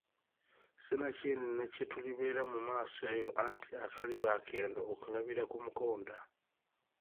Sinakindi ne kye tulibeera mu maaso eyo, anti akaliba akendo okalabira ku mukonda.